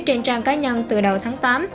trên trang cá nhân từ đầu tháng tám